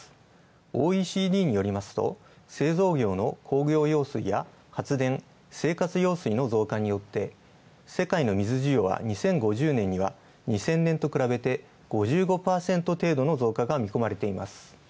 ＯＥＣＤによりますと製造業の工業用水や発電、生活用水の増加によって世界の水需要は２０００年と比べて５５％程度の増加が見込まれています。